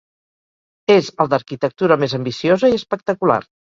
És el d'arquitectura més ambiciosa i espectacular.